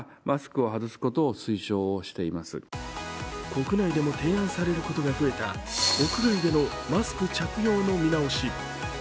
国内でも提案されることが増えた屋外でのマスク着用見直し。